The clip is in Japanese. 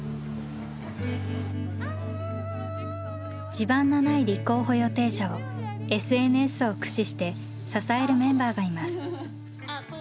地盤のない立候補予定者をＳＮＳを駆使して支えるメンバーがいます。